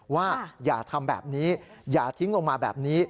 ว่าอย่าทำแบบนี้อย่าทิ้งลงมาแบบนี้